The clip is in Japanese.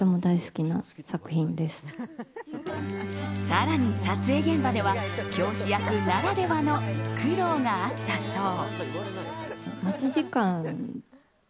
更に、撮影現場では教師役ならではの苦労があったそう。